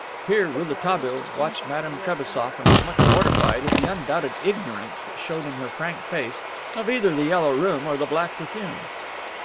Here Rouletabille watched Madame Trebassof and was much mortified at the undoubted ignorance that showed in her frank face of either the yellow room or the black perfume.